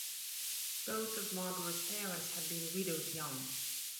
Both of Margaret's parents had been widowed young.